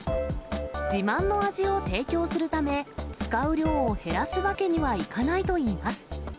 自慢の味を提供するため、使う量を減らすわけにはいかないといいます。